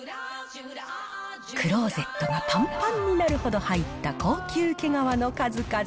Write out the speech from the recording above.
クローゼットがぱんぱんになるほど入った高級毛皮の数々。